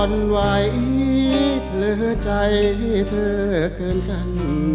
อ่อนไหวเหลือใจเธอเกินกัน